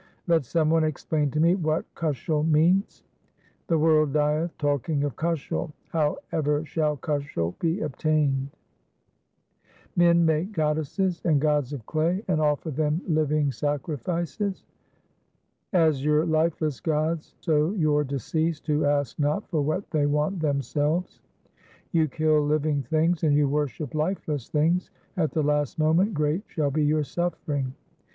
Let some one explain to me what kushal 1 means ; The world dieth talking of kushal ; how ever shall kushal be obtained ? Men make goddesses and gods of clay, and offer them living sacrifices. As your lifeless gods, so your deceased, who ask not for what they want themselves. You kill living things, and you worship lifeless things ; at the last moment great shall be your suffering.